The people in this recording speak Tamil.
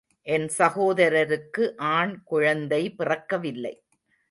என் சகோதரருக்கு ஆண் குழந்தை பிறக்கவில்லை.